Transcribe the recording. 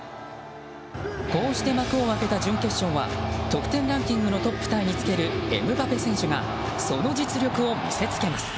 こうして幕を開けた準決勝は得点ランキングのトップタイにつけるエムバペ選手がその実力を見せつけます。